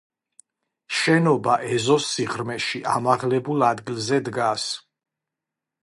შენობა ეზოს სიღრმეში, ამაღლებულ ადგილზე დგას.